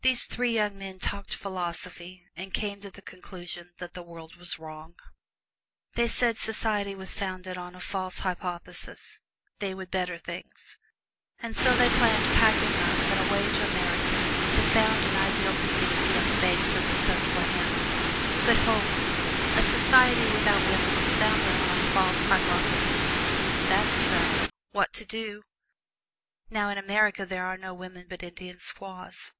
These three young men talked philosophy, and came to the conclusion that the world was wrong. They said society was founded on a false hypothesis they would better things. And so they planned packing up and away to America to found an Ideal Community on the banks of the Susquehanna. But hold! a society without women is founded on a false hypothesis that's so what to do? Now in America there are no women but Indian squaws.